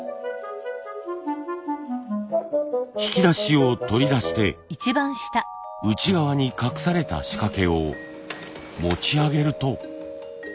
引き出しを取り出して内側に隠された仕掛けを持ち上げると。